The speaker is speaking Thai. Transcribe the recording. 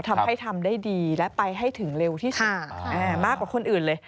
ทำให้ทำได้ดีและไปให้ถึงเร็วที่สุดมากกว่าคนอื่นเลย